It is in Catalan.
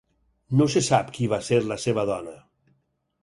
No se sap qui va ser la seva dona.